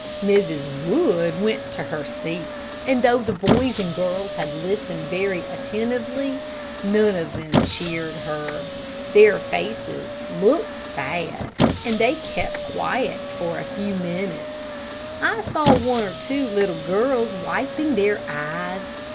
'" Mrs. Wood went to her seat, and though the boys and girls had listened very attentively, none of them cheered her. Their faces looked sad, and they kept very quiet for a few minutes. I saw one or two little girls wiping their eyes.